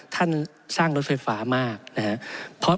ท่านสร้างรถไฟฟ้ามากนะครับ